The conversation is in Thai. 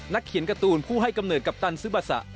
เขียนการ์ตูนผู้ให้กำเนิดกัปตันซึบัสะ